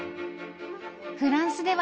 フランスでは。